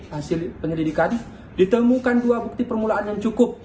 hasil penyelidikan ditemukan dua bukti permulaan yang cukup